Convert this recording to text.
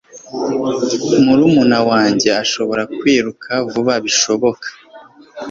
Murumuna wanjye arashobora kwiruka vuba bishoboka.